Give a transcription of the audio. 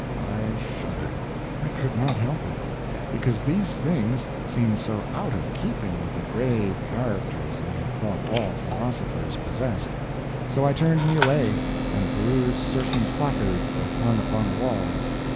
I shuddered. I could not help it, because these things seemed so out of keeping with the grave characters I had thought all philosophers possessed. So I turned me away, and perused certain placards that hung upon the walls.